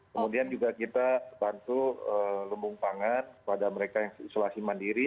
kemudian juga kita bantu lembung pangan pada mereka yang isolasi mandiri